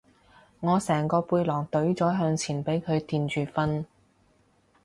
我成個背囊隊咗向前俾佢墊住瞓